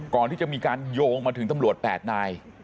ก่อนที่จะมีการโยงมาถึงตำรวจ๘นาย